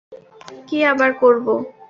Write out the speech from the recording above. কী আবার করব!